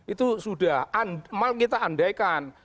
itu sudah mal kita andaikan